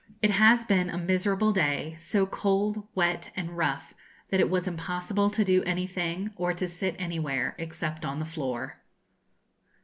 It has been a miserable day; so cold, wet, and rough, that it was impossible to do anything, or to sit anywhere, except on the floor.